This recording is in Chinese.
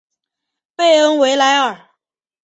贝恩维莱尔。